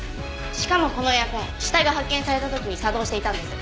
しかもこのエアコン死体が発見された時に作動していたんです。